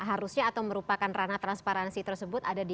harusnya atau merupakan ranah transparansi tersebut